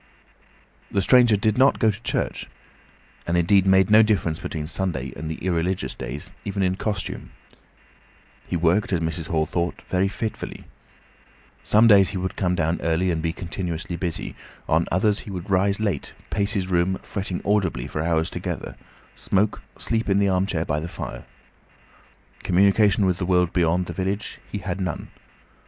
The stranger did not go to church, and indeed made no difference between Sunday and the irreligious days, even in costume. He worked, as Mrs. Hall thought, very fitfully. Some days he would come down early and be continuously busy. On others he would rise late, pace his room, fretting audibly for hours together, smoke, sleep in the armchair by the fire. Communication with the world beyond the village he had none.